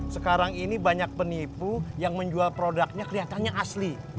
sekarang ini banyak penipu yang menjual produknya kelihatannya asli